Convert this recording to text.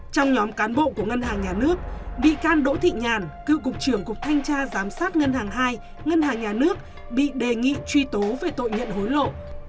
trong nhóm cán bộ của ngân hàng nhà nước bị can đỗ thị nhàn cựu cục trưởng cục thanh tra giám sát ngân hàng hai ngân hàng nhà nước bị đề nghị truy tố về tội nhận hối lộ